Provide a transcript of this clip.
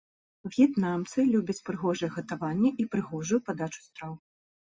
В'етнамцы любяць прыгожае гатаванне і прыгожую падачу страў.